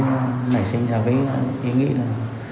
mới nảy sinh ra với ý nghĩ là